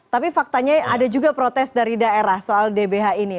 tapi faktanya ada juga protes dari daerah soal dbh ini